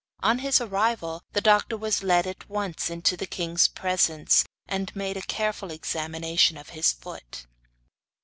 On his arrival the doctor was led at once into the king's presence, and made a careful examination of his foot.